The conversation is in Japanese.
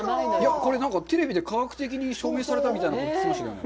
これ、テレビで科学的に証明されたみたいなこと聞きましたけどね。